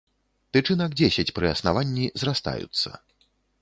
Тычынак дзесяць, пры аснаванні зрастаюцца.